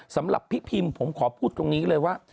สำหรับพี่พิมผมขอพูดตรงนี้เลยว่า